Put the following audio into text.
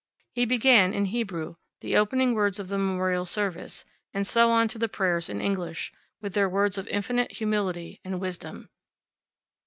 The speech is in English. He began, in Hebrew, the opening words of the memorial service, and so on to the prayers in English, with their words of infinite humility and wisdom.